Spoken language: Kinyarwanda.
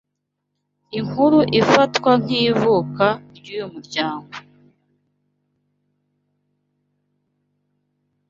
inkuru ifatwa nkivuka ryuyu muryango